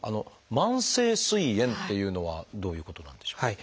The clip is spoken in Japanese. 慢性すい炎っていうのはどういうことなんでしょう？